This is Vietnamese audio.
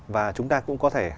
và chúng ta cũng có thể